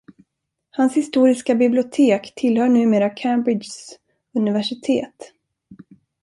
Hans historiska bibliotek tillhör numera Cambridges universitet.